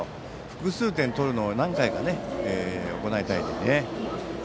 複数点取るのを何回か行いたいですね。